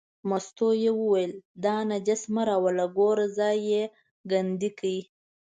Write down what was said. مستو ته یې وویل دا نجس مه راوله، ګوره ځای یې کندې کړ.